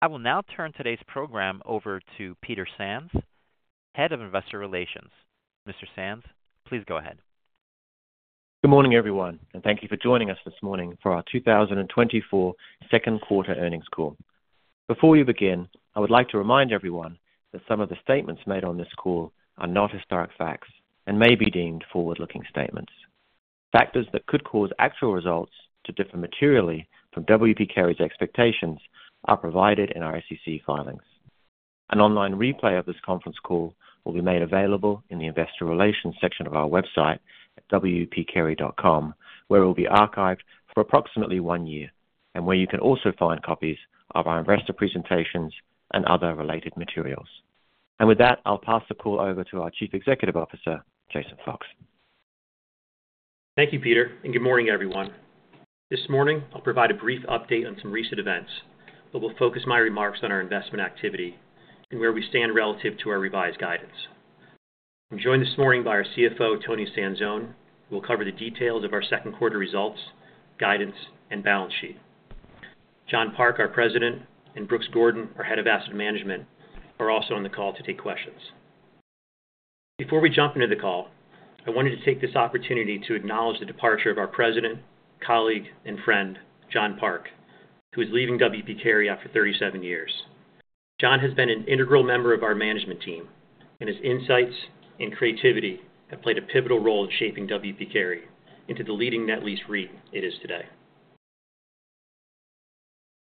I will now turn today's program over to Peter Sands, Head of Investor Relations. Mr. Sands, please go ahead. Good morning, everyone, and thank you for joining us this morning for our 2024 Second Quarter Earnings Call. Before we begin, I would like to remind everyone that some of the statements made on this call are not historic facts and may be deemed forward-looking statements. Factors that could cause actual results to differ materially from W. P. Carey's expectations are provided in our SEC filings. An online replay of this conference call will be made available in the Investor Relations section of our website at wpcarey.com, where it will be archived for approximately one year, and where you can also find copies of our investor presentations and other related materials. With that, I'll pass the call over to our Chief Executive Officer, Jason Fox. Thank you, Peter, and good morning, everyone. This morning, I'll provide a brief update on some recent events, but will focus my remarks on our investment activity and where we stand relative to our revised guidance. I'm joined this morning by our CFO, Toni Sanzone, who will cover the details of our second quarter results, guidance, and balance sheet. John Park, our President, and Brooks Gordon, our Head of Asset Management, are also on the call to take questions. Before we jump into the call, I wanted to take this opportunity to acknowledge the departure of our President, colleague, and friend, John Park, who is leaving W. P. Carey after 37 years. John has been an integral member of our management team, and his insights and creativity have played a pivotal role in shaping W. P. Carey into the leading net lease REIT it is today.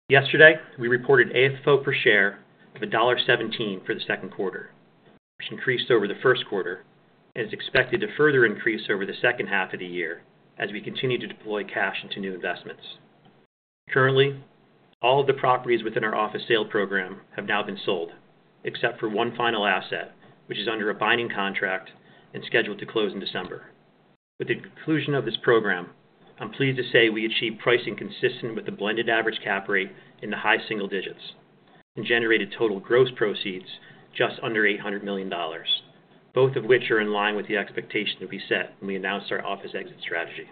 Yesterday, we reported AFO per share of $1.17 for the second quarter, which increased over the first quarter and is expected to further increase over the second half of the year as we continue to deploy cash into new investments. Currently, all of the properties within our office sale program have now been sold, except for one final asset, which is under a binding contract and scheduled to close in December. With the conclusion of this program, I'm pleased to say we achieved pricing consistent with the blended average cap rate in the high single digits and generated total gross proceeds just under $800 million, both of which are in line with the expectation that we set when we announced our office exit strategy.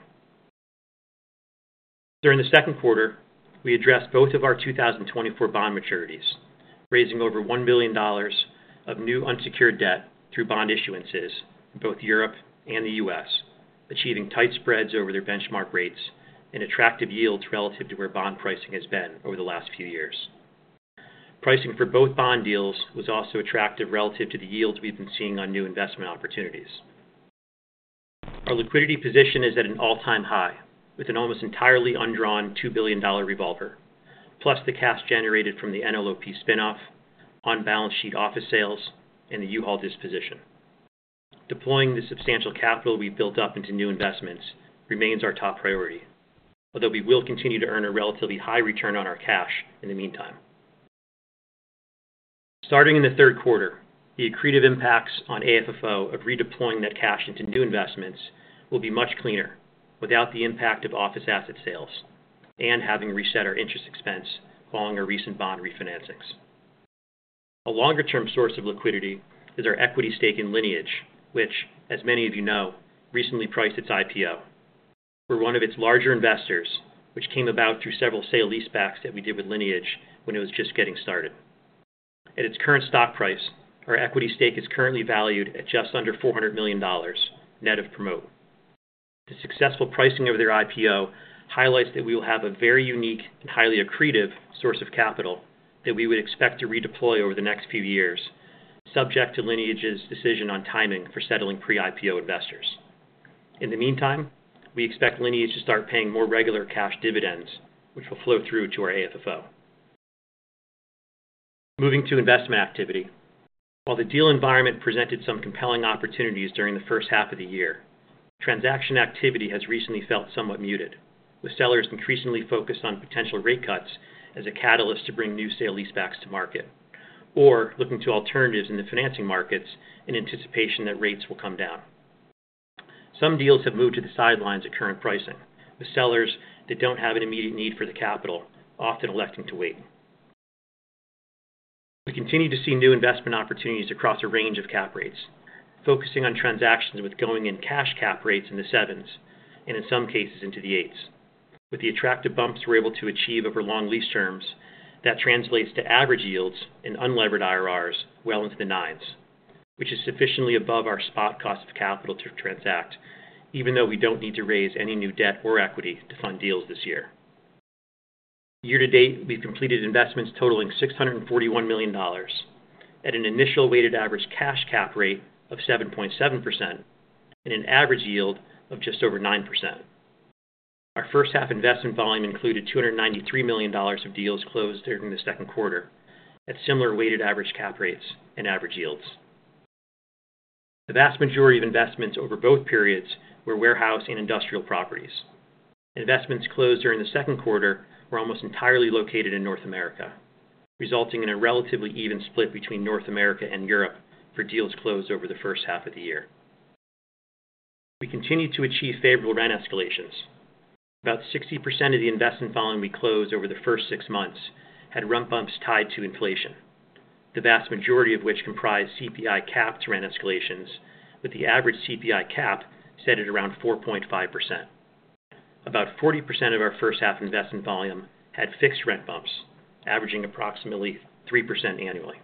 During the second quarter, we addressed both of our 2024 bond maturities, raising over $1 billion of new unsecured debt through bond issuances in both Europe and the U.S., achieving tight spreads over their benchmark rates and attractive yields relative to where bond pricing has been over the last few years. Pricing for both bond deals was also attractive relative to the yields we've been seeing on new investment opportunities. Our liquidity position is at an all-time high, with an almost entirely undrawn $2 billion revolver, plus the cash generated from the NLOP spinoff, on-balance sheet office sales, and the U-Haul disposition. Deploying the substantial capital we've built up into new investments remains our top priority, although we will continue to earn a relatively high return on our cash in the meantime. Starting in the third quarter, the accretive impacts on AFFO of redeploying that cash into new investments will be much cleaner without the impact of office asset sales and having reset our interest expense following our recent bond refinancings. A longer-term source of liquidity is our equity stake in Lineage, which, as many of you know, recently priced its IPO. We're one of its larger investors, which came about through several sale lease backs that we did with Lineage when it was just getting started. At its current stock price, our equity stake is currently valued at just under $400 million net of promote. The successful pricing of their IPO highlights that we will have a very unique and highly accretive source of capital that we would expect to redeploy over the next few years, subject to Lineage's decision on timing for settling pre-IPO investors. In the meantime, we expect Lineage to start paying more regular cash dividends, which will flow through to our AFFO. Moving to investment activity, while the deal environment presented some compelling opportunities during the first half of the year, transaction activity has recently felt somewhat muted, with sellers increasingly focused on potential rate cuts as a catalyst to bring new sale-leasebacks to market or looking to alternatives in the financing markets in anticipation that rates will come down. Some deals have moved to the sidelines at current pricing, with sellers that don't have an immediate need for the capital often electing to wait. We continue to see new investment opportunities across a range of cap rates, focusing on transactions with going-in cash cap rates in the sevens and, in some cases, into the eights. With the attractive bumps we're able to achieve over long lease terms, that translates to average yields and unlevered IRRs well into the nines, which is sufficiently above our spot cost of capital to transact, even though we don't need to raise any new debt or equity to fund deals this year. Year to date, we've completed investments totaling $641 million at an initial weighted average cash cap rate of 7.7% and an average yield of just over 9%. Our first half investment volume included $293 million of deals closed during the second quarter at similar weighted average cap rates and average yields. The vast majority of investments over both periods were warehouse and industrial properties. Investments closed during the second quarter were almost entirely located in North America, resulting in a relatively even split between North America and Europe for deals closed over the first half of the year. We continue to achieve favorable rent escalations. About 60% of the investment volume we closed over the first six months had rent bumps tied to inflation, the vast majority of which comprised CPI capped rent escalations, with the average CPI cap set at around 4.5%. About 40% of our first half investment volume had fixed rent bumps, averaging approximately 3% annually.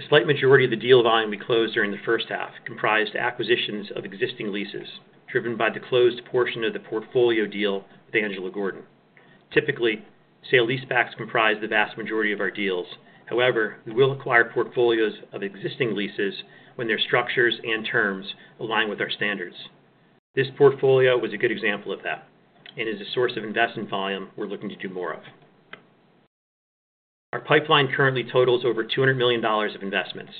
The slight majority of the deal volume we closed during the first half comprised acquisitions of existing leases driven by the closed portion of the portfolio deal with Angelo Gordon. Typically, sale-leasebacks comprise the vast majority of our deals. However, we will acquire portfolios of existing leases when their structures and terms align with our standards. This portfolio was a good example of that and is a source of investment volume we're looking to do more of. Our pipeline currently totals over $200 million of investments,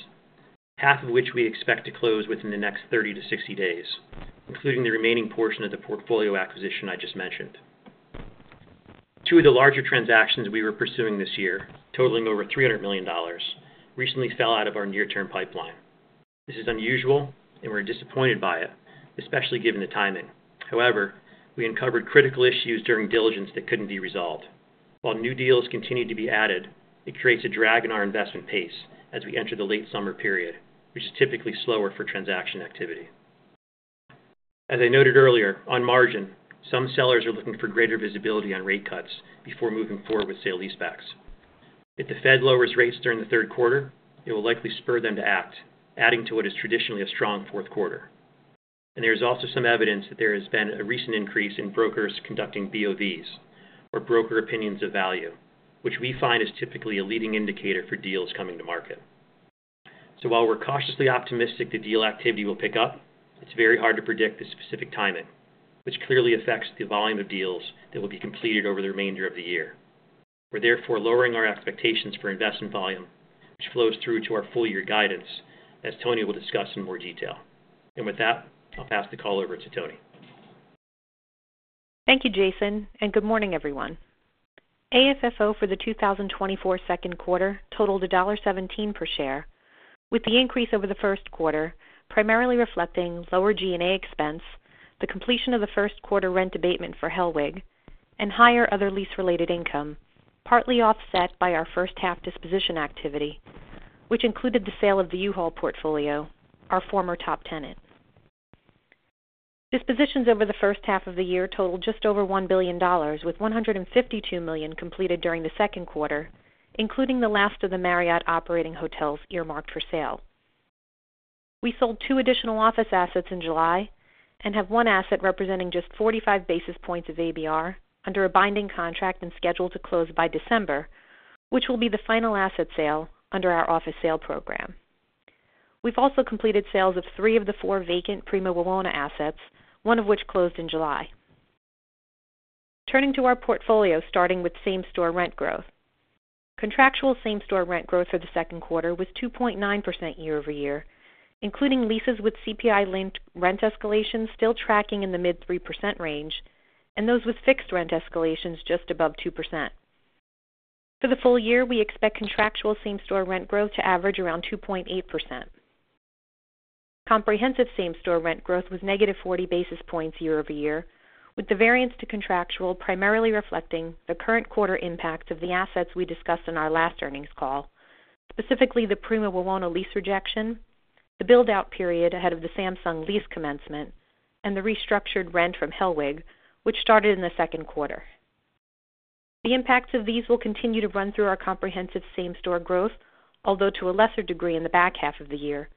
half of which we expect to close within the next 30 to 60 days, including the remaining portion of the portfolio acquisition I just mentioned. Two of the larger transactions we were pursuing this year, totaling over $300 million, recently fell out of our near-term pipeline. This is unusual, and we're disappointed by it, especially given the timing. However, we uncovered critical issues during diligence that couldn't be resolved. While new deals continue to be added, it creates a drag on our investment pace as we enter the late summer period, which is typically slower for transaction activity. As I noted earlier, on margin, some sellers are looking for greater visibility on rate cuts before moving forward with sale lease backs. If the Fed lowers rates during the third quarter, it will likely spur them to act, adding to what is traditionally a strong fourth quarter. There is also some evidence that there has been a recent increase in brokers conducting BOVs, or broker opinions of value, which we find is typically a leading indicator for deals coming to market. While we're cautiously optimistic the deal activity will pick up, it's very hard to predict the specific timing, which clearly affects the volume of deals that will be completed over the remainder of the year. We're therefore lowering our expectations for investment volume, which flows through to our full-year guidance, as Toni will discuss in more detail. With that, I'll pass the call over to Toni. Thank you, Jason, and good morning, everyone. AFFO for the 2024 second quarter totaled $1.17 per share, with the increase over the first quarter primarily reflecting lower G&A expense, the completion of the first quarter rent abatement for Hellweg, and higher other lease-related income, partly offset by our first half disposition activity, which included the sale of the U-Haul portfolio, our former top tenant. Dispositions over the first half of the year totaled just over $1 billion, with $152 million completed during the second quarter, including the last of the Marriott operating hotels earmarked for sale. We sold two additional office assets in July and have one asset representing just 45 basis points of ABR under a binding contract and scheduled to close by December, which will be the final asset sale under our office sale program. We've also completed sales of three of the four vacant Prima Wawona assets, one of which closed in July. Turning to our portfolio, starting with same-store rent growth. Contractual same-store rent growth for the second quarter was 2.9% year-over-year, including leases with CPI-linked rent escalations still tracking in the mid-3% range and those with fixed rent escalations just above 2%. For the full year, we expect contractual same-store rent growth to average around 2.8%. Comprehensive same-store rent growth was negative 40 basis points year-over-year, with the variance to contractual primarily reflecting the current quarter impacts of the assets we discussed in our last earnings call, specifically the Prima Wawona lease rejection, the build-out period ahead of the Samsung lease commencement, and the restructured rent from Hellweg, which started in the second quarter. The impacts of these will continue to run through our comprehensive same-store growth, although to a lesser degree in the back half of the year,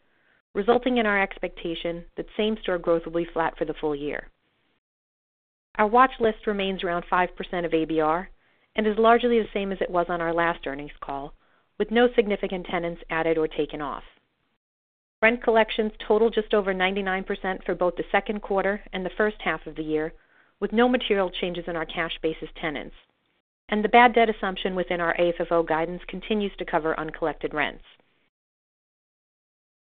resulting in our expectation that same-store growth will be flat for the full year. Our watch list remains around 5% of ABR and is largely the same as it was on our last earnings call, with no significant tenants added or taken off. Rent collections totaled just over 99% for both the second quarter and the first half of the year, with no material changes in our cash basis tenants, and the bad debt assumption within our AFFO guidance continues to cover uncollected rents.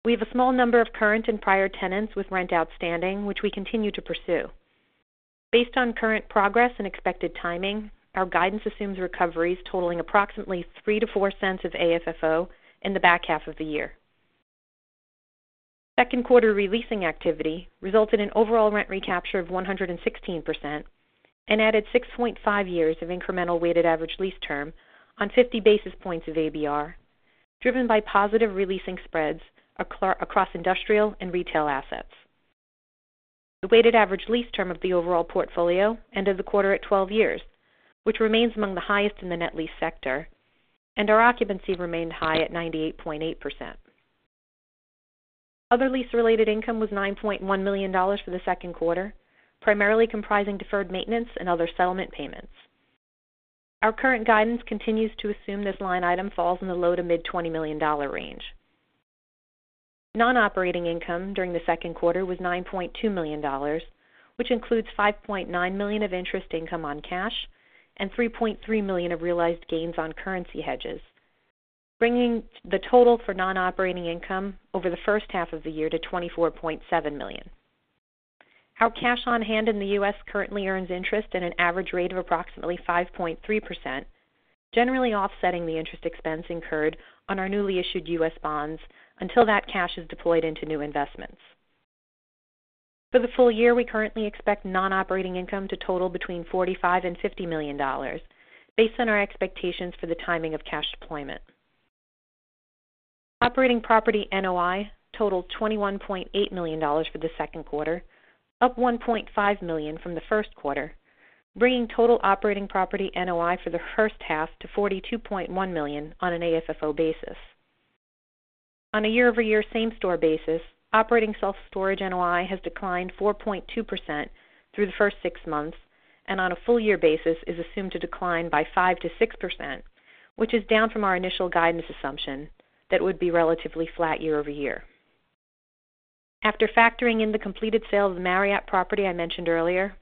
We have a small number of current and prior tenants with rent outstanding, which we continue to pursue. Based on current progress and expected timing, our guidance assumes recoveries totaling approximately $0.03-$0.04 of AFFO in the back half of the year. Second quarter releasing activity resulted in overall rent recapture of 116% and added 6.5 years of incremental weighted average lease term on 50 basis points of ABR, driven by positive releasing spreads across industrial and retail assets. The weighted average lease term of the overall portfolio ended the quarter at 12 years, which remains among the highest in the net lease sector, and our occupancy remained high at 98.8%. Other lease-related income was $9.1 million for the second quarter, primarily comprising deferred maintenance and other settlement payments. Our current guidance continues to assume this line item falls in the low- to mid-$20 million range. Non-operating income during the second quarter was $9.2 million, which includes $5.9 million of interest income on cash and $3.3 million of realized gains on currency hedges, bringing the total for non-operating income over the first half of the year to $24.7 million. Our cash on hand in the U.S. currently earns interest at an average rate of approximately 5.3%, generally offsetting the interest expense incurred on our newly issued U.S. bonds until that cash is deployed into new investments. For the full year, we currently expect non-operating income to total between $45 million and $50 million, based on our expectations for the timing of cash deployment. Operating property NOI totaled $21.8 million for the second quarter, up $1.5 million from the first quarter, bringing total operating property NOI for the first half to $42.1 million on an AFFO basis. On a year-over-year same-store basis, operating self-storage NOI has declined 4.2% through the first six months and, on a full-year basis, is assumed to decline by 5%-6%, which is down from our initial guidance assumption that it would be relatively flat year-over-year. After factoring in the completed sale of the Marriott property I mentioned earlier,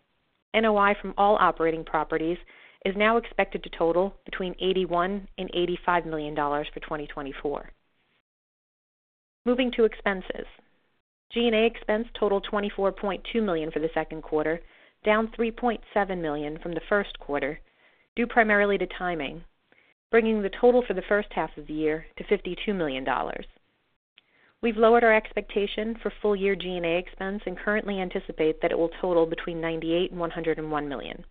NOI from all operating properties is now expected to total between $81 million-$85 million for 2024. Moving to expenses, G&A expense totaled $24.2 million for the second quarter, down $3.7 million from the first quarter, due primarily to timing, bringing the total for the first half of the year to $52 million. We've lowered our expectation for full-year G&A expense and currently anticipate that it will total between $98 million-$101 million.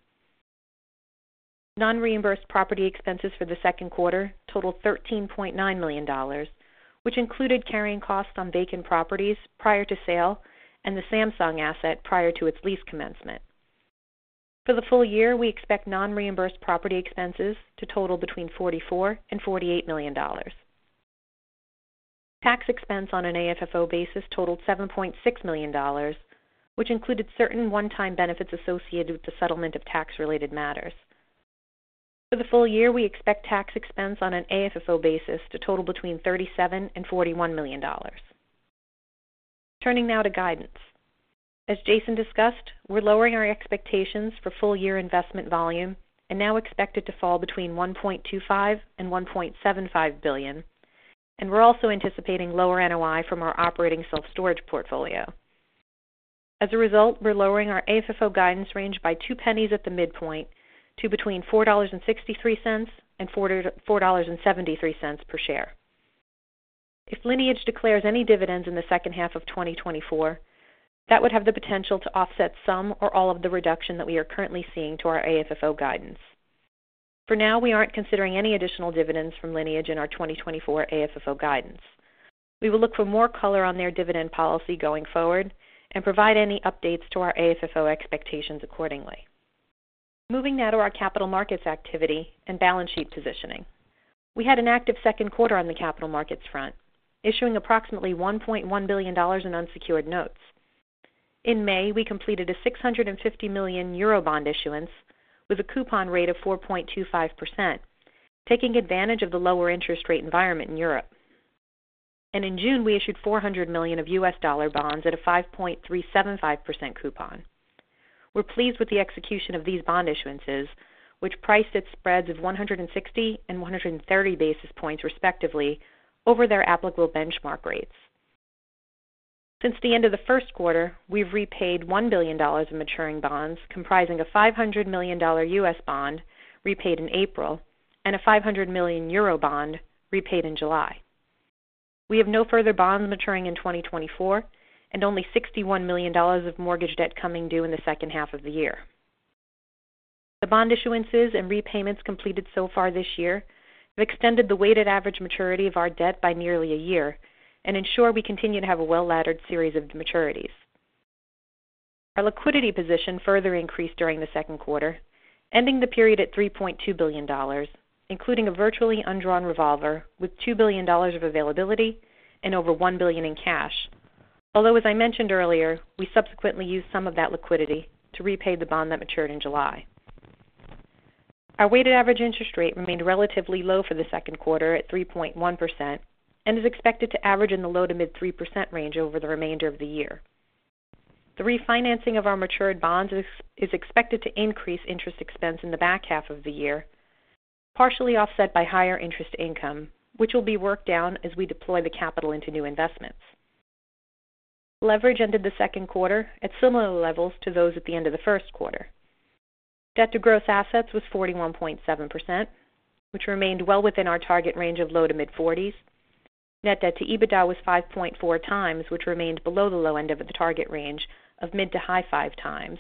Non-reimbursed property expenses for the second quarter totaled $13.9 million, which included carrying costs on vacant properties prior to sale and the Samsung asset prior to its lease commencement. For the full year, we expect non-reimbursed property expenses to total between $44 million-$48 million. Tax expense on an AFFO basis totaled $7.6 million, which included certain one-time benefits associated with the settlement of tax-related matters. For the full year, we expect tax expense on an AFFO basis to total between $37 million-$41 million. Turning now to guidance. As Jason discussed, we're lowering our expectations for full-year investment volume and now expect it to fall between $1.25 billion-$1.75 billion, and we're also anticipating lower NOI from our operating self-storage portfolio. As a result, we're lowering our AFFO guidance range by two pennies at the midpoint to between $4.63-$4.73 per share. If Lineage declares any dividends in the second half of 2024, that would have the potential to offset some or all of the reduction that we are currently seeing to our AFFO guidance. For now, we aren't considering any additional dividends from Lineage in our 2024 AFFO guidance. We will look for more color on their dividend policy going forward and provide any updates to our AFFO expectations accordingly. Moving now to our capital markets activity and balance sheet positioning. We had an active second quarter on the capital markets front, issuing approximately $1.1 billion in unsecured notes. In May, we completed a 650 million euro bond issuance with a coupon rate of 4.25%, taking advantage of the lower interest rate environment in Europe. In June, we issued $400 million of U.S. dollar bonds at a 5.375% coupon. We're pleased with the execution of these bond issuances, which priced its spreads of 160 and 130 basis points respectively over their applicable benchmark rates. Since the end of the first quarter, we've repaid $1 billion of maturing bonds, comprising a $500 million U.S. bond repaid in April and a 500 million euro bond repaid in July. We have no further bonds maturing in 2024 and only $61 million of mortgage debt coming due in the second half of the year. The bond issuances and repayments completed so far this year have extended the weighted average maturity of our debt by nearly a year and ensure we continue to have a well-laddered series of maturities. Our liquidity position further increased during the second quarter, ending the period at $3.2 billion, including a virtually undrawn revolver with $2 billion of availability and over $1 billion in cash, although, as I mentioned earlier, we subsequently used some of that liquidity to repay the bond that matured in July. Our weighted average interest rate remained relatively low for the second quarter at 3.1% and is expected to average in the low to mid-3% range over the remainder of the year. The refinancing of our matured bonds is expected to increase interest expense in the back half of the year, partially offset by higher interest income, which will be worked down as we deploy the capital into new investments. Leverage ended the second quarter at similar levels to those at the end of the first quarter. Debt to gross assets was 41.7%, which remained well within our target range of low to mid-40s. Net debt to EBITDA was 5.4 times, which remained below the low end of the target range of mid to high five times,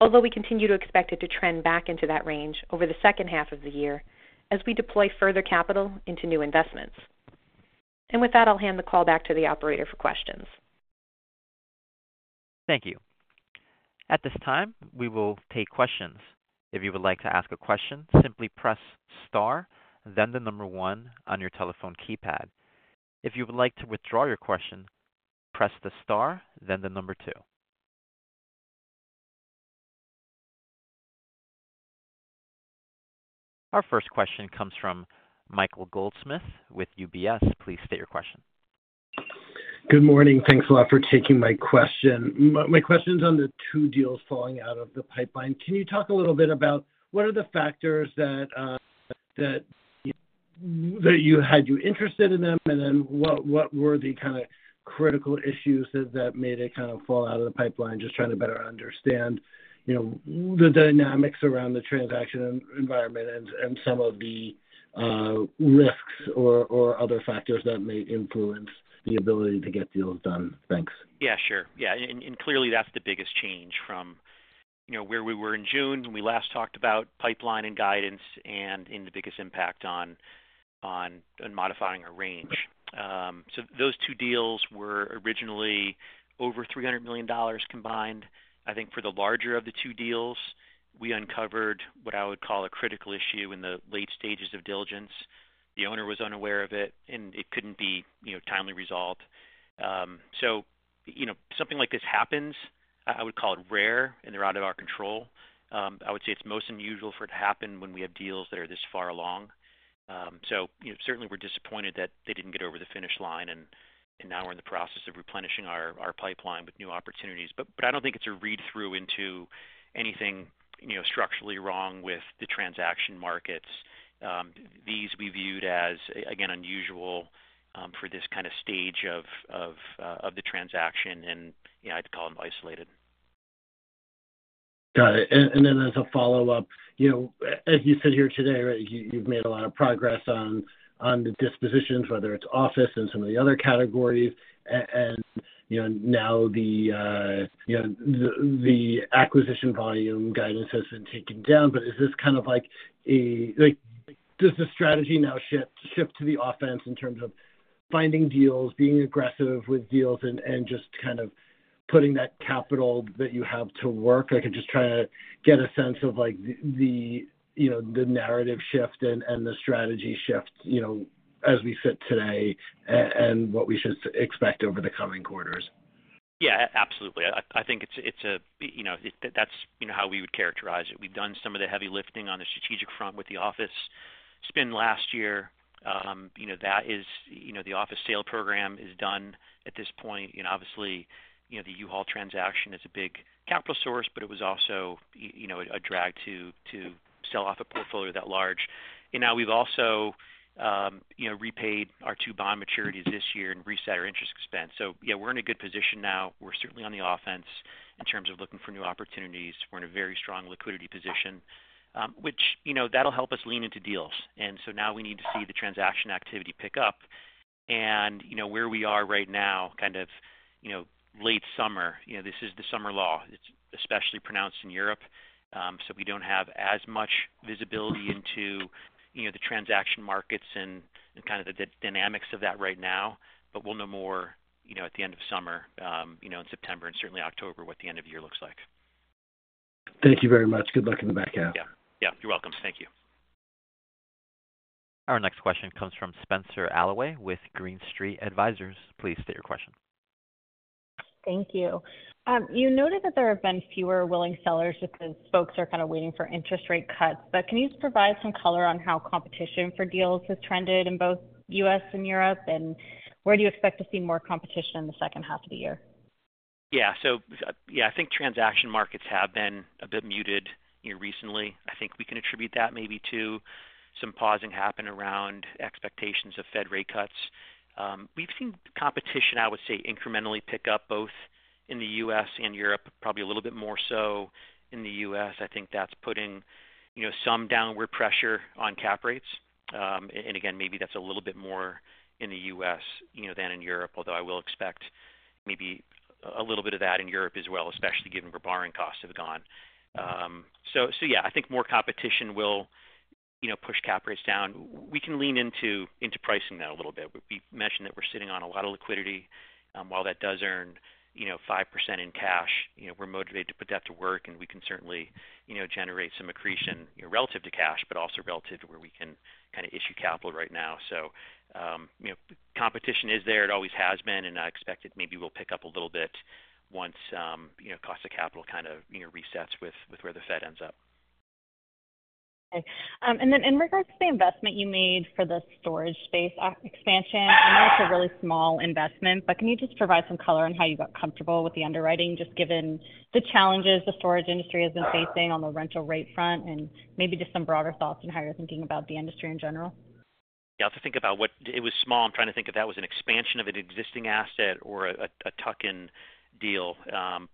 although we continue to expect it to trend back into that range over the second half of the year as we deploy further capital into new investments. With that, I'll hand the call back to the operator for questions. Thank you. At this time, we will take questions. If you would like to ask a question, simply press star, then the number one on your telephone keypad. If you would like to withdraw your question, press the star, then the number two. Our first question comes from Michael Goldsmith with UBS. Please state your question. Good morning. Thanks a lot for taking my question. My question's on the two deals falling out of the pipeline. Can you talk a little bit about what are the factors that had you interested in them, and then what were the kind of critical issues that made it kind of fall out of the pipeline, just trying to better understand the dynamics around the transaction environment and some of the risks or other factors that may influence the ability to get deals done? Thanks. Yeah, sure. Yeah. And clearly, that's the biggest change from where we were in June when we last talked about pipeline and guidance and the biggest impact on modifying our range. So those two deals were originally over $300 million combined. I think for the larger of the two deals, we uncovered what I would call a critical issue in the late stages of diligence. The owner was unaware of it, and it couldn't be timely resolved. So something like this happens, I would call it rare, and they're out of our control. I would say it's most unusual for it to happen when we have deals that are this far along. So certainly, we're disappointed that they didn't get over the finish line, and now we're in the process of replenishing our pipeline with new opportunities. But I don't think it's a read-through into anything structurally wrong with the transaction markets. These we viewed as, again, unusual for this kind of stage of the transaction, and I'd call them isolated. Got it. And then as a follow-up, as you sit here today, right, you've made a lot of progress on the dispositions, whether it's office and some of the other categories, and now the acquisition volume guidance has been taken down. But is this kind of like a does the strategy now shift to the offense in terms of finding deals, being aggressive with deals, and just kind of putting that capital that you have to work? I could just try to get a sense of the narrative shift and the strategy shift as we sit today and what we should expect over the coming quarters. Yeah, absolutely. I think it's. That's how we would characterize it. We've done some of the heavy lifting on the strategic front with the office spin last year. That is, the office sale program is done at this point. Obviously, the U-Haul transaction is a big capital source, but it was also a drag to sell off a portfolio that large. Now we've also repaid our two bond maturities this year and reset our interest expense. So yeah, we're in a good position now. We're certainly on the offense in terms of looking for new opportunities. We're in a very strong liquidity position, which that'll help us lean into deals. So now we need to see the transaction activity pick up. Where we are right now, kind of late summer, this is the summer lull. It's especially pronounced in Europe, so we don't have as much visibility into the transaction markets and kind of the dynamics of that right now. But we'll know more at the end of summer, in September, and certainly October what the end of year looks like. Thank you very much. Good luck in the back half. Yeah. Yeah. You're welcome. Thank you. Our next question comes from Spenser Allaway with Green Street Advisors. Please state your question. Thank you. You noted that there have been fewer willing sellers because folks are kind of waiting for interest rate cuts. But can you provide some color on how competition for deals has trended in both U.S. and Europe, and where do you expect to see more competition in the second half of the year? Yeah. So yeah, I think transaction markets have been a bit muted recently. I think we can attribute that maybe to some pausing happened around expectations of Fed rate cuts. We've seen competition, I would say, incrementally pick up both in the U.S. and Europe, probably a little bit more so in the U.S. I think that's putting some downward pressure on cap rates. And again, maybe that's a little bit more in the U.S. than in Europe, although I will expect maybe a little bit of that in Europe as well, especially given where borrowing costs have gone. So yeah, I think more competition will push cap rates down. We can lean into pricing that a little bit. We mentioned that we're sitting on a lot of liquidity. While that does earn 5% in cash, we're motivated to put that to work, and we can certainly generate some accretion relative to cash, but also relative to where we can kind of issue capital right now. Competition is there. It always has been, and I expect it maybe will pick up a little bit once cost of capital kind of resets with where the Fed ends up. Okay. And then in regards to the investment you made for the storage space expansion, I know it's a really small investment, but can you just provide some color on how you got comfortable with the underwriting, just given the challenges the storage industry has been facing on the rental rate front and maybe just some broader thoughts and how you're thinking about the industry in general? Yeah. I have to think about what it was. Small. I'm trying to think if that was an expansion of an existing asset or a tuck-in deal.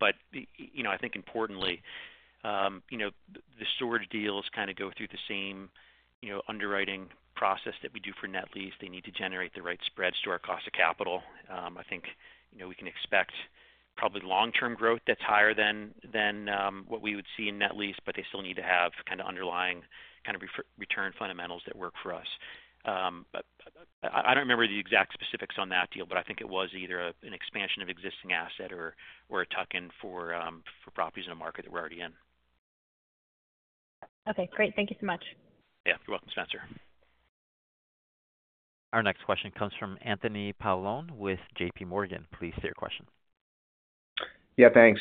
But I think importantly, the storage deals kind of go through the same underwriting process that we do for net lease. They need to generate the right spreads to our cost of capital. I think we can expect probably long-term growth that's higher than what we would see in net lease, but they still need to have kind of underlying kind of return fundamentals that work for us. I don't remember the exact specifics on that deal, but I think it was either an expansion of existing asset or a tuck-in for properties in a market that we're already in. Okay. Great. Thank you so much. Yeah. You're welcome, Spenser. Our next question comes from Anthony Paolone with J.P. Morgan. Please state your question. Yeah. Thanks.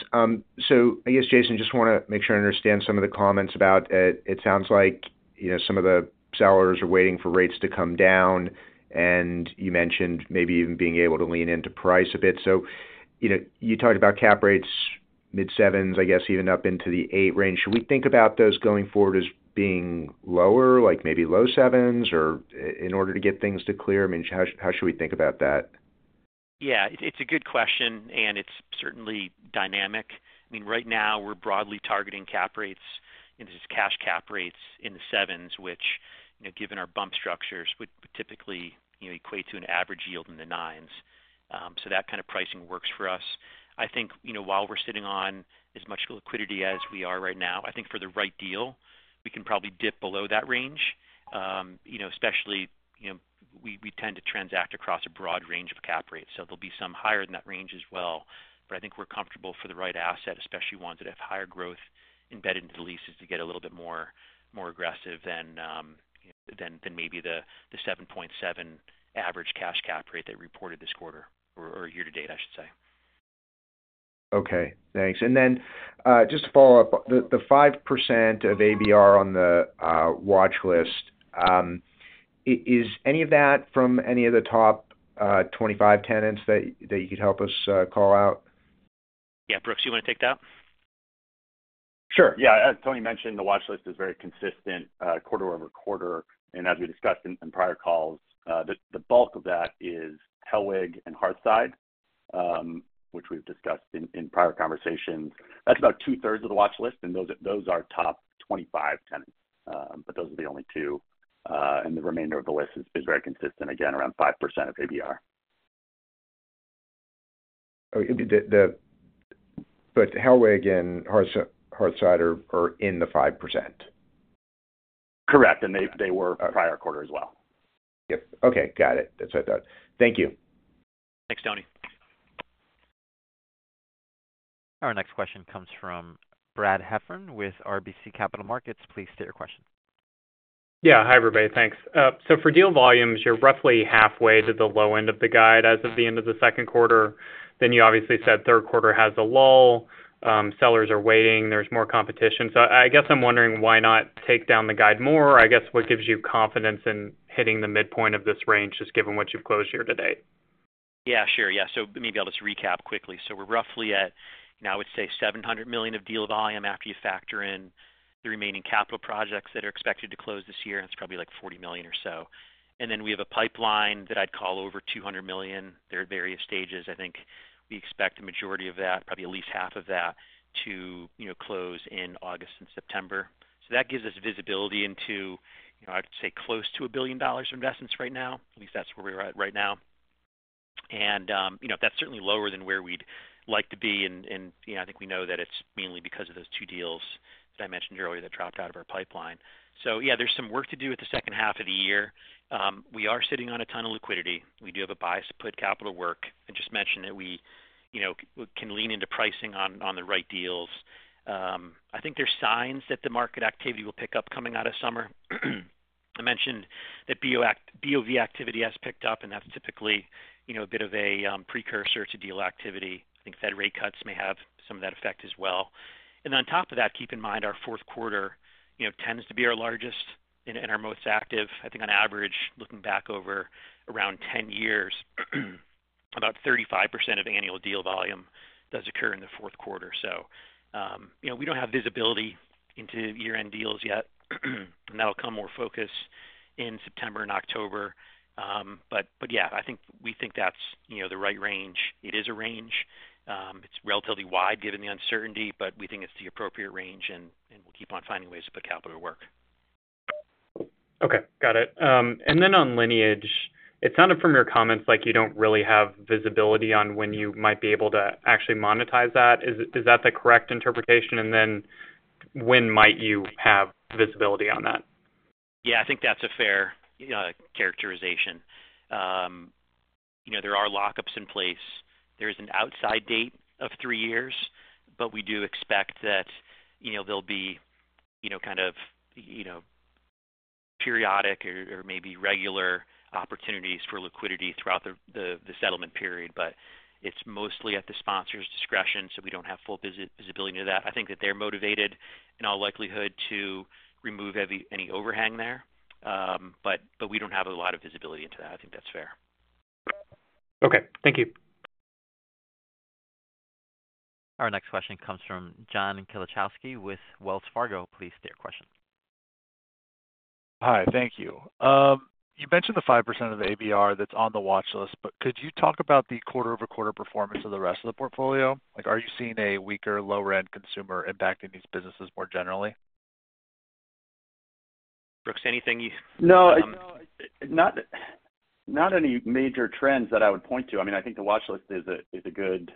So I guess, Jason, just want to make sure I understand some of the comments about it sounds like some of the sellers are waiting for rates to come down, and you mentioned maybe even being able to lean into price a bit. So you talked about cap rates, mid-sevens, I guess, even up into the eight range. Should we think about those going forward as being lower, like maybe low sevens, or in order to get things to clear? I mean, how should we think about that? Yeah. It's a good question, and it's certainly dynamic. I mean, right now, we're broadly targeting cap rates, and this is cash cap rates in the sevens, which, given our bump structures, would typically equate to an average yield in the nines. So that kind of pricing works for us. I think while we're sitting on as much liquidity as we are right now, I think for the right deal, we can probably dip below that range, especially, we tend to transact across a broad range of cap rates. So there'll be some higher than that range as well. But I think we're comfortable for the right asset, especially ones that have higher growth embedded into the leases to get a little bit more aggressive than maybe the 7.7 average cash cap rate they reported this quarter or year to date, I should say. Okay. Thanks. And then just to follow up, the 5% of ABR on the watch list, is any of that from any of the top 25 tenants that you could help us call out? Yeah. Brooks, you want to take that? Sure. Yeah. Toni mentioned the watch list is very consistent quarter-over-quarter. As we discussed in prior calls, the bulk of that is Hellweg and Hearthside, which we've discussed in prior conversations. That's about two-thirds of the watch list, and those are top 25 tenants. Those are the only two. The remainder of the list is very consistent, again, around 5% of ABR. Hellweg and Hearthside are in the 5%? Correct. They were prior quarter as well. Yep. Okay. Got it. That's what I thought. Thank you. Thanks, Tony. Our next question comes from Brad Heffern with RBC Capital Markets. Please state your question. Yeah. Hi everybody. Thanks. So for deal volumes, you're roughly halfway to the low end of the guide as of the end of the second quarter. Then you obviously said third quarter has a lull. Sellers are waiting. There's more competition. So I guess I'm wondering why not take down the guide more. I guess what gives you confidence in hitting the midpoint of this range, just given what you've closed year to date? Yeah. Sure. Yeah. So maybe I'll just recap quickly. So we're roughly at, I would say, $700 million of deal volume after you factor in the remaining capital projects that are expected to close this year. That's probably like $40 million or so. And then we have a pipeline that I'd call over $200 million. There are various stages. I think we expect the majority of that, probably at least half of that, to close in August and September. So that gives us visibility into, I'd say, close to $1 billion of investments right now. At least that's where we're at right now. And that's certainly lower than where we'd like to be. And I think we know that it's mainly because of those two deals that I mentioned earlier that dropped out of our pipeline. So yeah, there's some work to do with the second half of the year. We are sitting on a ton of liquidity. We do have a bias to put capital to work. I just mentioned that we can lean into pricing on the right deals. I think there's signs that the market activity will pick up coming out of summer. I mentioned that BOV activity has picked up, and that's typically a bit of a precursor to deal activity. I think Fed rate cuts may have some of that effect as well. And then on top of that, keep in mind our fourth quarter tends to be our largest and our most active. I think on average, looking back over around 10 years, about 35% of annual deal volume does occur in the fourth quarter. So we don't have visibility into year-end deals yet, and that'll come more focused in September and October. But yeah, I think we think that's the right range. It is a range. It's relatively wide given the uncertainty, but we think it's the appropriate range, and we'll keep on finding ways to put capital to work. Okay. Got it. And then on Lineage, it sounded from your comments like you don't really have visibility on when you might be able to actually monetize that. Is that the correct interpretation? And then when might you have visibility on that? Yeah. I think that's a fair characterization. There are lockups in place. There is an outside date of three years, but we do expect that there'll be kind of periodic or maybe regular opportunities for liquidity throughout the settlement period. But it's mostly at the sponsor's discretion, so we don't have full visibility into that. I think that they're motivated in all likelihood to remove any overhang there, but we don't have a lot of visibility into that. I think that's fair. Okay. Thank you. Our next question comes from John Kilichowski with Wells Fargo. Please state your question. Hi. Thank you. You mentioned the 5% of ABR that's on the watch list, but could you talk about the quarter-over-quarter performance of the rest of the portfolio? Are you seeing a weaker lower-end consumer impacting these businesses more generally? Brooks, anything you. No. Not any major trends that I would point to. I mean, I think the watch list is a good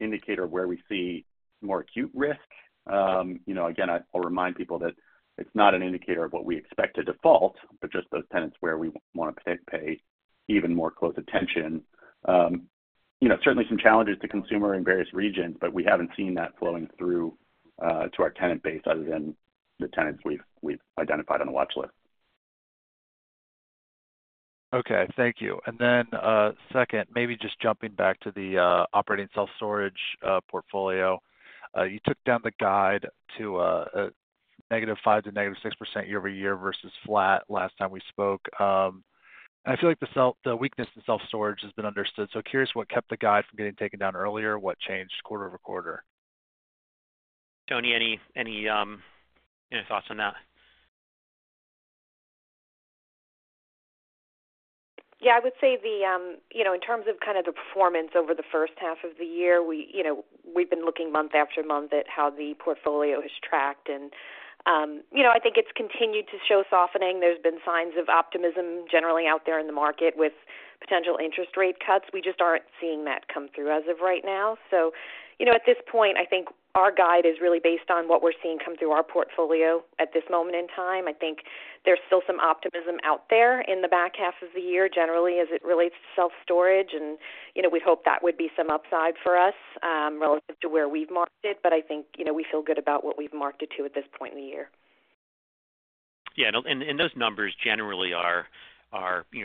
indicator of where we see more acute risk. Again, I'll remind people that it's not an indicator of what we expect to default, but just those tenants where we want to pay even more close attention. Certainly some challenges to consumer in various regions, but we haven't seen that flowing through to our tenant base other than the tenants we've identified on the watch list. Okay. Thank you. And then second, maybe just jumping back to the operating self-storage portfolio. You took down the guide to -5% to -6% year-over-year versus flat last time we spoke. I feel like the weakness in self-storage has been understood. So curious what kept the guide from getting taken down earlier, what changed quarter-over-quarter? Toni, any thoughts on that? Yeah. I would say in terms of kind of the performance over the first half of the year, we've been looking month after month at how the portfolio has tracked. I think it's continued to show softening. There's been signs of optimism generally out there in the market with potential interest rate cuts. We just aren't seeing that come through as of right now. So at this point, I think our guide is really based on what we're seeing come through our portfolio at this moment in time. I think there's still some optimism out there in the back half of the year generally as it relates to self-storage. We'd hope that would be some upside for us relative to where we've marked it. But I think we feel good about what we've marked it to at this point in the year. Yeah. And those numbers generally are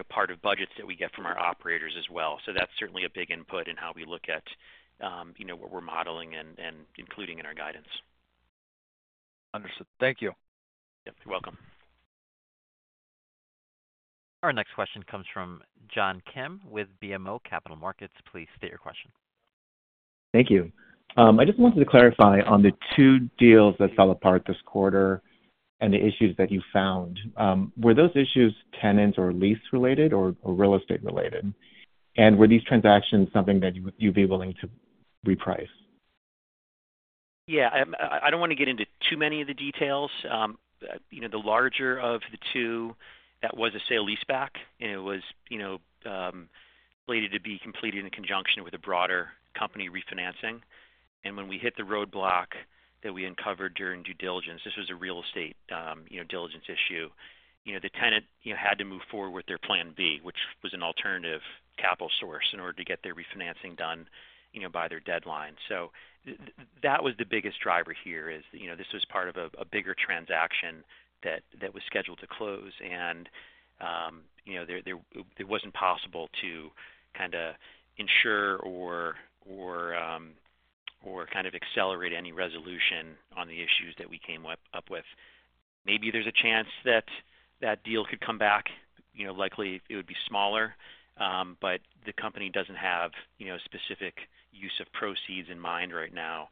part of budgets that we get from our operators as well. So that's certainly a big input in how we look at what we're modeling and including in our guidance. Understood. Thank you. Yep. You're welcome. Our next question comes from John Kim with BMO Capital Markets. Please state your question. Thank you. I just wanted to clarify on the two deals that fell apart this quarter and the issues that you found. Were those issues tenants or lease-related or real estate-related? And were these transactions something that you'd be willing to reprice? Yeah. I don't want to get into too many of the details. The larger of the two, that was a sale-leaseback, and it was slated to be completed in conjunction with a broader company refinancing. When we hit the roadblock that we uncovered during due diligence, this was a real estate diligence issue. The tenant had to move forward with their plan B, which was an alternative capital source in order to get their refinancing done by their deadline. That was the biggest driver here is this was part of a bigger transaction that was scheduled to close. It wasn't possible to kind of ensure or kind of accelerate any resolution on the issues that we came up with. Maybe there's a chance that that deal could come back. Likely, it would be smaller, but the company doesn't have specific use of proceeds in mind right now.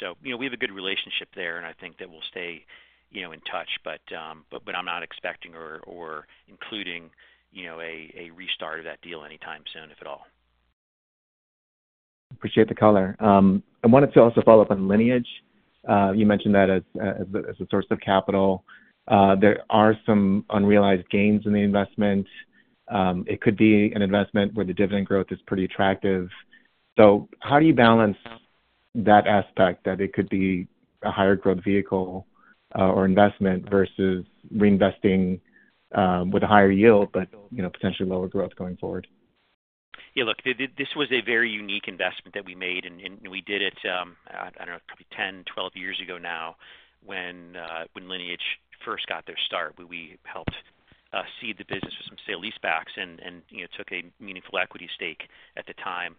So we have a good relationship there, and I think that we'll stay in touch. But I'm not expecting or including a restart of that deal anytime soon, if at all. Appreciate the caller. I wanted to also follow up on Lineage. You mentioned that as a source of capital. There are some unrealized gains in the investment. It could be an investment where the dividend growth is pretty attractive. So how do you balance that aspect that it could be a higher growth vehicle or investment versus reinvesting with a higher yield but potentially lower growth going forward? Yeah. Look, this was a very unique investment that we made. We did it, I don't know, probably 10 to 12 years ago now when Lineage first got their start, where we helped seed the business with some sale leasebacks and took a meaningful equity stake at the time.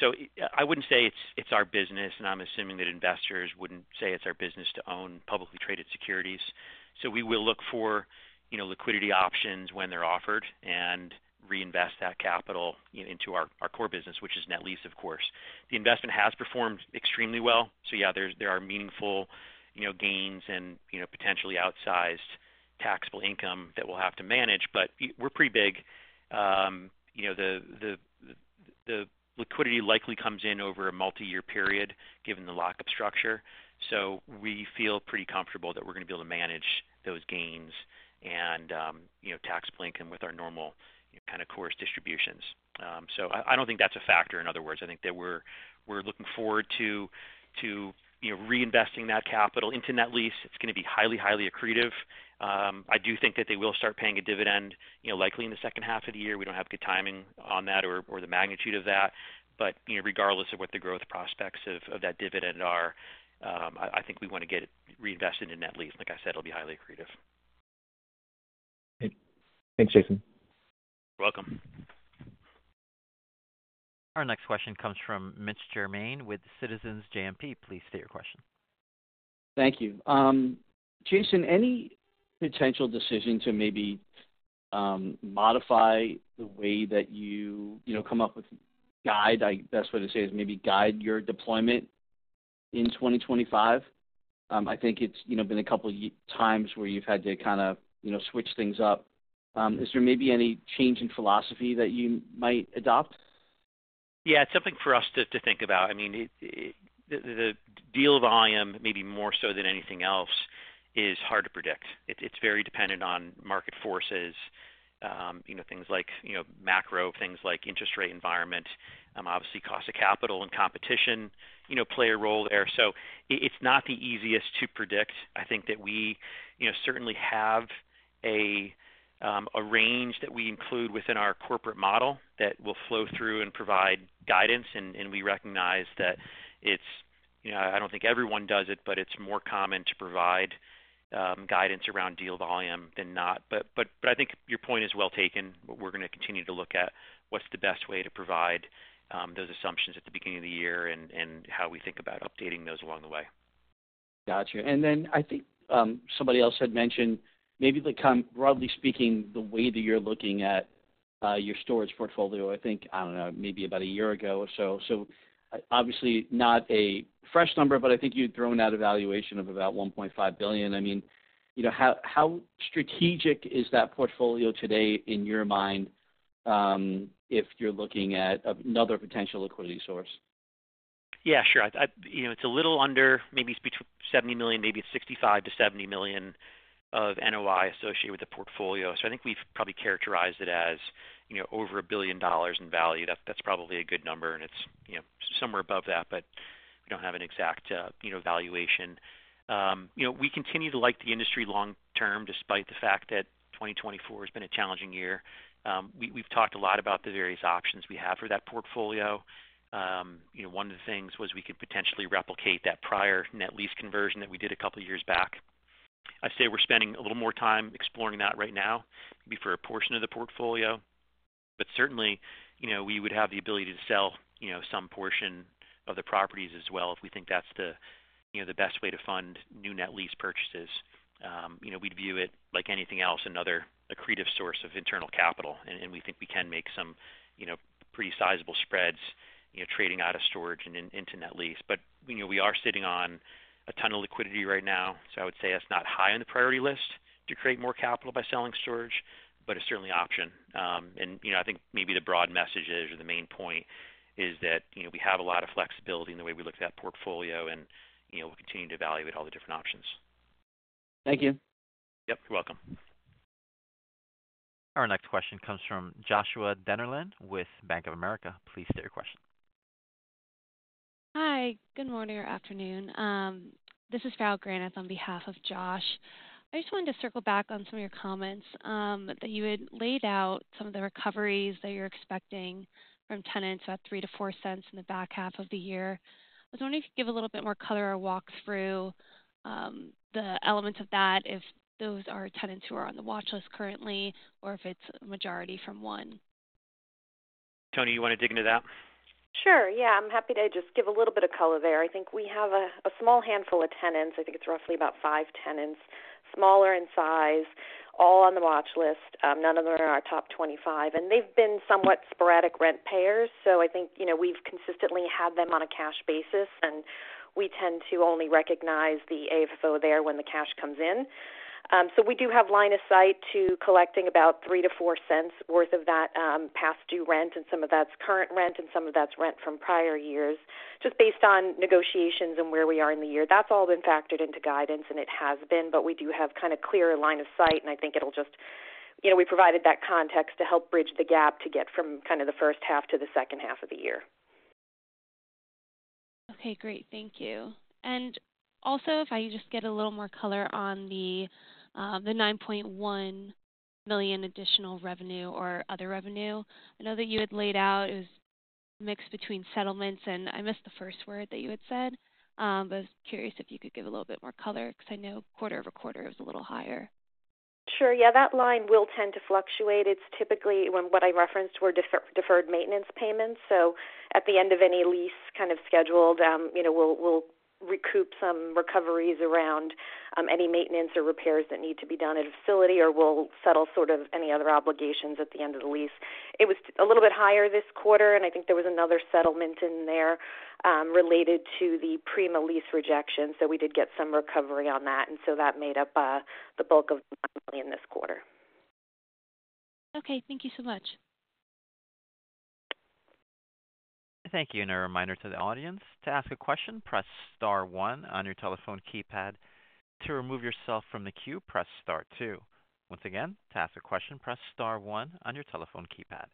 So I wouldn't say it's our business, and I'm assuming that investors wouldn't say it's our business to own publicly traded securities. So we will look for liquidity options when they're offered and reinvest that capital into our core business, which is net lease, of course. The investment has performed extremely well. So yeah, there are meaningful gains and potentially outsized taxable income that we'll have to manage. But we're pretty big. The liquidity likely comes in over a multi-year period given the lockup structure. So we feel pretty comfortable that we're going to be able to manage those gains and tax-linked with our normal kind of course distributions. So I don't think that's a factor, in other words. I think that we're looking forward to reinvesting that capital into net lease. It's going to be highly, highly accretive. I do think that they will start paying a dividend likely in the second half of the year. We don't have good timing on that or the magnitude of that. But regardless of what the growth prospects of that dividend are, I think we want to get it reinvested in net lease. Like I said, it'll be highly accretive. Thanks, Jason. You're welcome. Our next question comes from Mitch Germain with Citizens JMP. Please state your question. Thank you. Jason, any potential decision to maybe modify the way that you come up with guide, the best way to say is maybe guide your deployment in 2025? I think it's been a couple of times where you've had to kind of switch things up. Is there maybe any change in philosophy that you might adopt? Yeah. It's something for us to think about. I mean, the deal volume, maybe more so than anything else, is hard to predict. It's very dependent on market forces, things like macro, things like interest rate environment, obviously cost of capital and competition play a role there. So it's not the easiest to predict. I think that we certainly have a range that we include within our corporate model that will flow through and provide guidance. And we recognize that it's. I don't think everyone does it, but it's more common to provide guidance around deal volume than not. But I think your point is well taken. We're going to continue to look at what's the best way to provide those assumptions at the beginning of the year and how we think about updating those along the way. Gotcha. And then I think somebody else had mentioned maybe the kind of broadly speaking, the way that you're looking at your storage portfolio, I think, I don't know, maybe about a year ago or so. So obviously not a fresh number, but I think you'd thrown out a valuation of about $1.5 billion. I mean, how strategic is that portfolio today in your mind if you're looking at another potential liquidity source? Yeah. Sure. It's a little under, maybe it's between $70 million, maybe it's $65 million-$70 million of NOI associated with the portfolio. So I think we've probably characterized it as over $1 billion in value. That's probably a good number, and it's somewhere above that, but we don't have an exact valuation. We continue to like the industry long-term despite the fact that 2024 has been a challenging year. We've talked a lot about the various options we have for that portfolio. One of the things was we could potentially replicate that prior net lease conversion that we did a couple of years back. I'd say we're spending a little more time exploring that right now, maybe for a portion of the portfolio. But certainly, we would have the ability to sell some portion of the properties as well if we think that's the best way to fund new net lease purchases. We'd view it like anything else, another accretive source of internal capital. And we think we can make some pretty sizable spreads trading out of storage and into net lease. But we are sitting on a ton of liquidity right now. So I would say that's not high on the priority list to create more capital by selling storage, but it's certainly an option. And I think maybe the broad message is, or the main point, is that we have a lot of flexibility in the way we look at that portfolio, and we'll continue to evaluate all the different options. Thank you. Yep. You're welcome. Our next question comes from Joshua Dennerlein with Bank of America. Please state your question. Hi. Good morning or afternoon. This is Farrell Granath on behalf of Josh. I just wanted to circle back on some of your comments that you had laid out some of the recoveries that you're expecting from tenants at $0.03-$0.04 in the back half of the year. I was wondering if you could give a little bit more color or walk through the elements of that if those are tenants who are on the watch list currently or if it's a majority from one. Toni, you want to dig into that? Sure. Yeah. I'm happy to just give a little bit of color there. I think we have a small handful of tenants. I think it's roughly about five tenants, smaller in size, all on the watch list. None of them are in our top 25. And they've been somewhat sporadic rent payers. So I think we've consistently had them on a cash basis, and we tend to only recognize the AFO there when the cash comes in. So we do have line of sight to collecting about $0.03-$0.04 worth of that past due rent. And some of that's current rent, and some of that's rent from prior years just based on negotiations and where we are in the year. That's all been factored into guidance, and it has been. But we do have kind of clearer line of sight, and I think it'll just, we provided that context to help bridge the gap to get from kind of the first half to the second half of the year. Okay. Great. Thank you. And also, if I could just get a little more color on the $9.1 million additional revenue or other revenue. I know that you had laid out it was mixed between settlements, and I missed the first word that you had said. But I was curious if you could give a little bit more color because I know quarter-over-quarter is a little higher. Sure. Yeah. That line will tend to fluctuate. It's typically what I referenced were deferred maintenance payments. So at the end of any lease kind of scheduled, we'll recoup some recoveries around any maintenance or repairs that need to be done at a facility, or we'll settle sort of any other obligations at the end of the lease. It was a little bit higher this quarter, and I think there was another settlement in there related to the Prima lease rejection. So we did get some recovery on that. And so that made up the bulk of the $9 million this quarter. Okay. Thank you so much. Thank you. A reminder to the audience to ask a question, press star one on your telephone keypad. To remove yourself from the queue, press star two. Once again, to ask a question, press star one on your telephone keypad.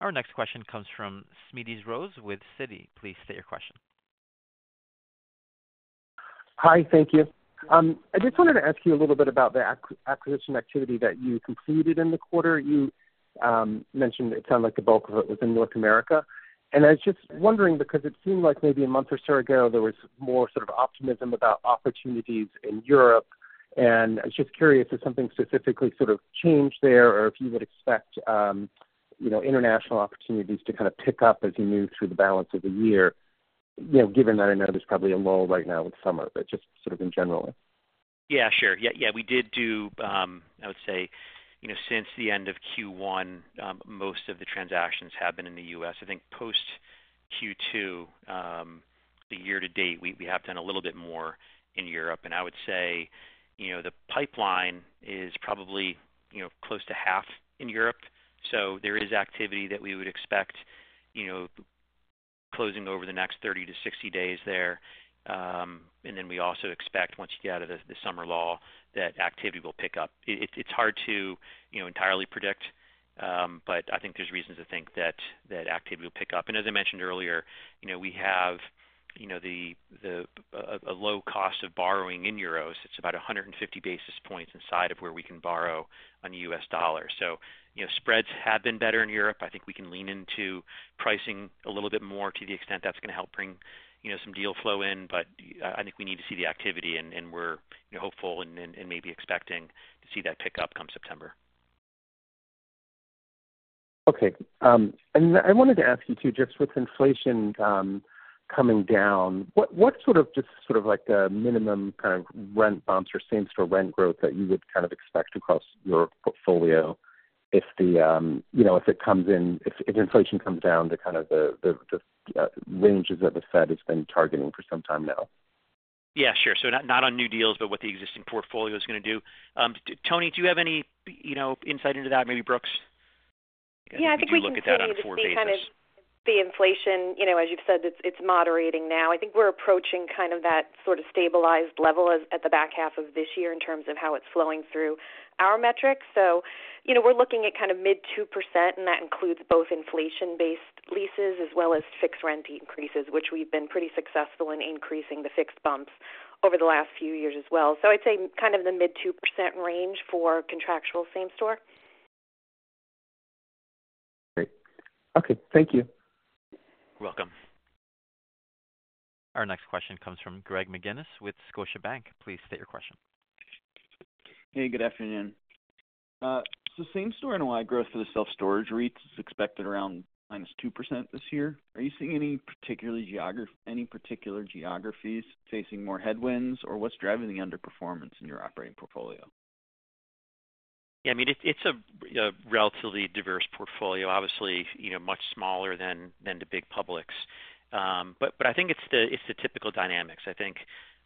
Our next question comes from Smedes Rose with Citi. Please state your question. Hi. Thank you. I just wanted to ask you a little bit about the acquisition activity that you completed in the quarter. You mentioned it sounded like the bulk of it was in North America. And I was just wondering because it seemed like maybe a month or so ago, there was more sort of optimism about opportunities in Europe. And I was just curious if something specifically sort of changed there or if you would expect international opportunities to kind of pick up as you move through the balance of the year, given that I know there's probably a lull right now with summer, but just sort of in general. Yeah. Sure. Yeah. Yeah. We did do, I would say, since the end of Q1, most of the transactions have been in the U.S. I think post Q2, the year to date, we have done a little bit more in Europe. And I would say the pipeline is probably close to half in Europe. So there is activity that we would expect closing over the next 30-60 days there. And then we also expect, once you get out of the summer lull, that activity will pick up. It's hard to entirely predict, but I think there's reasons to think that activity will pick up. And as I mentioned earlier, we have a low cost of borrowing in euros. It's about 150 basis points inside of where we can borrow on U.S. dollars. So spreads have been better in Europe. I think we can lean into pricing a little bit more to the extent that's going to help bring some deal flow in. But I think we need to see the activity, and we're hopeful and maybe expecting to see that pick up come September. Okay. And I wanted to ask you too, just with inflation coming down, what sort of just sort of like the minimum kind of rent bumps or same-store rent growth that you would kind of expect across your portfolio if it comes in, if inflation comes down to kind of the ranges that the Fed has been targeting for some time now? Yeah. Sure. So not on new deals, but what the existing portfolio is going to do. Toni, do you have any insight into that? Maybe Brooks? Yeah. I think we can kind of. the inflation, as you've said, it's moderating now. I think we're approaching kind of that sort of stabilized level at the back half of this year in terms of how it's flowing through our metrics. So we're looking at kind of mid-2%, and that includes both inflation-based leases as well as fixed rent increases, which we've been pretty successful in increasing the fixed bumps over the last few years as well. So I'd say kind of the mid-2% range for contractual same-store. Great. Okay. Thank you. You're welcome. Our next question comes from Greg McGinniss with Scotiabank. Please state your question. Hey. Good afternoon. Same-store NOI growth for the self-storage REITs is expected around -2% this year. Are you seeing any particular geographies facing more headwinds, or what's driving the underperformance in your operating portfolio? Yeah. I mean, it's a relatively diverse portfolio, obviously much smaller than the big publics. But I think it's the typical dynamics. I think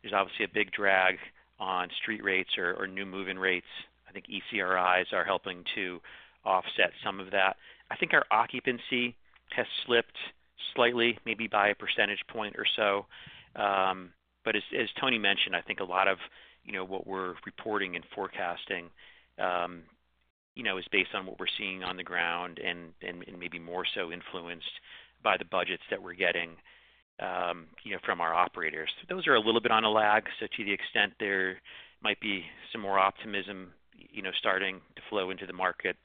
there's obviously a big drag on street rates or new move-in rates. I think ECRIs are helping to offset some of that. I think our occupancy has slipped slightly, maybe by a percentage point or so. But as Toni mentioned, I think a lot of what we're reporting and forecasting is based on what we're seeing on the ground and maybe more so influenced by the budgets that we're getting from our operators. Those are a little bit on a lag. So to the extent there might be some more optimism starting to flow into the market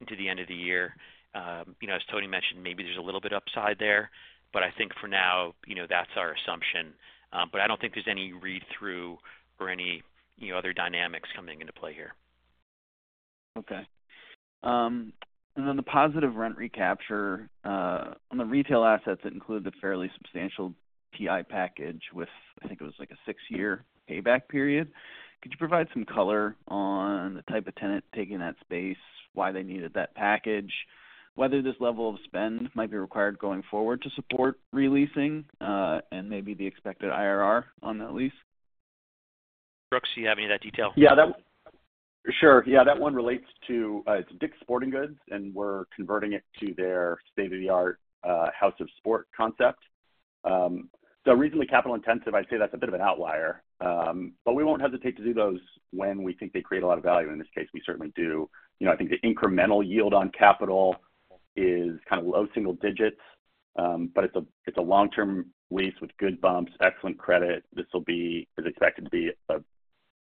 into the end of the year. As Toni mentioned, maybe there's a little bit upside there. But I think for now, that's our assumption. But I don't think there's any read-through or any other dynamics coming into play here. Okay. And then the positive rent recapture on the retail assets that include the fairly substantial TI package with, I think it was like a six-year payback period. Could you provide some color on the type of tenant taking that space, why they needed that package, whether this level of spend might be required going forward to support releasing, and maybe the expected IRR on that lease? Brooks, do you have any of that detail? Yeah. Sure. Yeah. That one relates to its Dick's Sporting Goods, and we're converting it to their state-of-the-art House of Sport concept. So reasonably capital-intensive, I'd say that's a bit of an outlier. But we won't hesitate to do those when we think they create a lot of value. In this case, we certainly do. I think the incremental yield on capital is kind of low single digits, but it's a long-term lease with good bumps, excellent credit. This will be expected to be a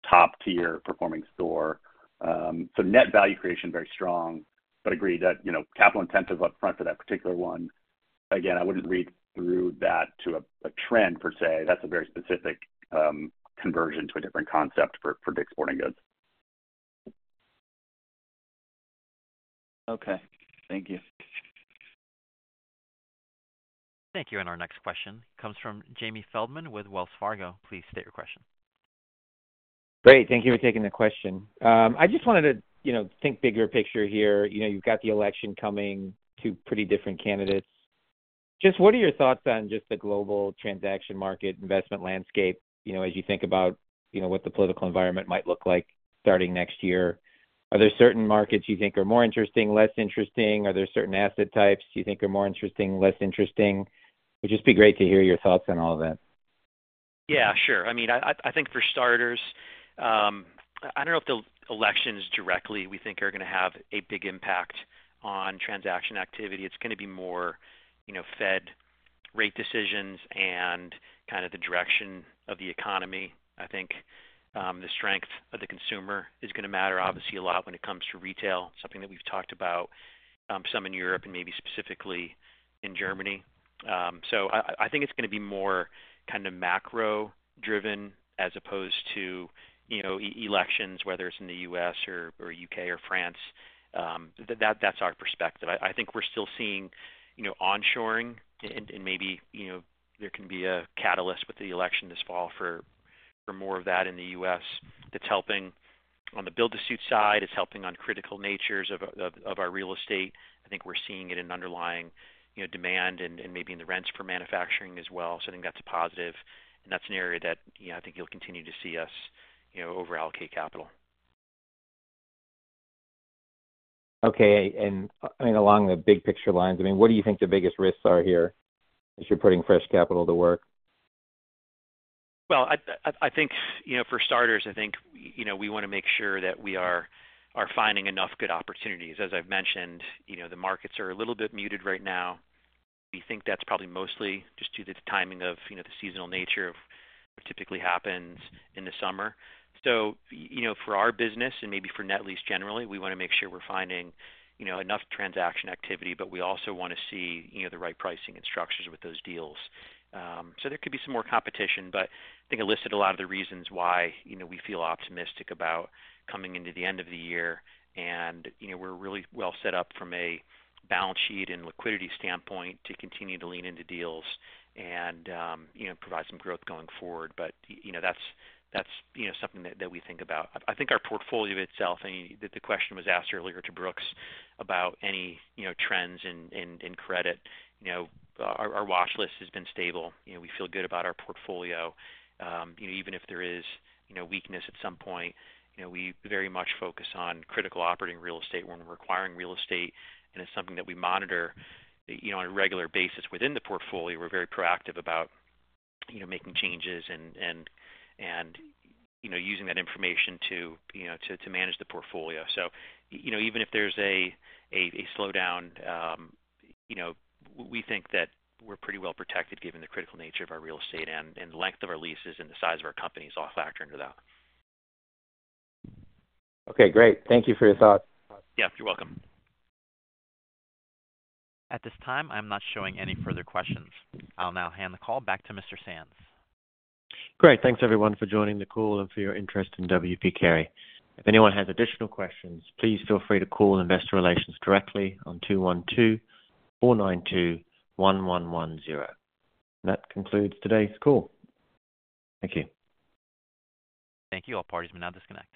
top-tier performing store. So net value creation very strong. But agree that capital-intensive upfront for that particular one. Again, I wouldn't read through that to a trend per se. That's a very specific conversion to a different concept for Dick's Sporting Goods. Okay. Thank you. Thank you. Our next question comes from Jamie Feldman with Wells Fargo. Please state your question. Great. Thank you for taking the question. I just wanted to think bigger picture here. You've got the election coming to pretty different candidates. Just what are your thoughts on just the global transaction market investment landscape as you think about what the political environment might look like starting next year? Are there certain markets you think are more interesting, less interesting? Are there certain asset types you think are more interesting, less interesting? It would just be great to hear your thoughts on all of that. Yeah. Sure. I mean, I think for starters, I don't know if the elections directly we think are going to have a big impact on transaction activity. It's going to be more Fed rate decisions and kind of the direction of the economy. I think the strength of the consumer is going to matter, obviously, a lot when it comes to retail, something that we've talked about some in Europe and maybe specifically in Germany. So I think it's going to be more kind of macro-driven as opposed to elections, whether it's in the US or UK or France. That's our perspective. I think we're still seeing onshoring, and maybe there can be a catalyst with the election this fall for more of that in the US that's helping on the build-to-suit side. It's helping on critical natures of our real estate. I think we're seeing it in underlying demand and maybe in the rents for manufacturing as well. So I think that's a positive. And that's an area that I think you'll continue to see us overallocate capital. Okay. I mean, along the big picture lines, I mean, what do you think the biggest risks are here as you're putting fresh capital to work? Well, I think for starters, I think we want to make sure that we are finding enough good opportunities. As I've mentioned, the markets are a little bit muted right now. We think that's probably mostly just due to the timing of the seasonal nature of what typically happens in the summer. So for our business and maybe for net lease generally, we want to make sure we're finding enough transaction activity, but we also want to see the right pricing and structures with those deals. So there could be some more competition. But I think I listed a lot of the reasons why we feel optimistic about coming into the end of the year. And we're really well set up from a balance sheet and liquidity standpoint to continue to lean into deals and provide some growth going forward. But that's something that we think about. I think our portfolio itself, I mean, the question was asked earlier to Brooks about any trends in credit. Our watch list has been stable. We feel good about our portfolio. Even if there is weakness at some point, we very much focus on critical operating real estate when we're acquiring real estate. And it's something that we monitor on a regular basis within the portfolio. We're very proactive about making changes and using that information to manage the portfolio. So even if there's a slowdown, we think that we're pretty well protected given the critical nature of our real estate and the length of our leases and the size of our company is all factored into that. Okay. Great. Thank you for your thoughts. Yeah. You're welcome. At this time, I'm not showing any further questions. I'll now hand the call back to Mr. Sands. Great. Thanks, everyone, for joining the call and for your interest in W. P. Carey. If anyone has additional questions, please feel free to call Investor Relations directly on 212-492-1110. That concludes today's call. Thank you. Thank you. All parties are now disconnected.